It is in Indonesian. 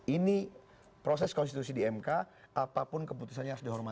ini proses konstitusi di mk apapun keputusannya harus dihormati